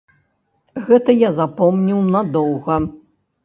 Гэта я запомніў надоўга.